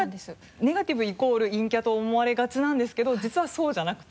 ネガティブイコール陰キャと思われがちなんですけど実はそうじゃなくて。